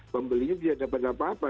pembelinya tidak dapat apa apa